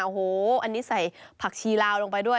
โอ้โหอันนี้ใส่ผักชีลาวลงไปด้วย